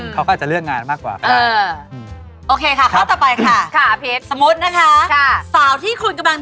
เขาก็อาจจะเลือกงานมากกว่ากัน